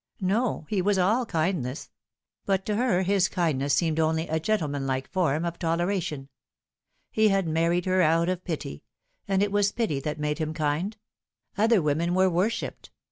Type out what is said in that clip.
No, he was all kindness ; but to her his kindness seemed only a gentleman like form of toleration. He had married her out of pity ; and it was pity that made him kind. Other women were worshipped.